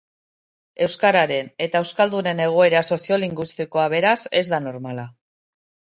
Euskararen eta euskaldunen egoera soziolinguistikoa, beraz, ez da normala.